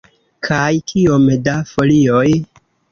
Kaj kiom da folioj?